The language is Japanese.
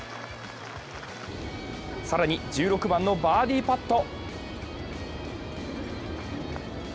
更に１６番のバーディーパット。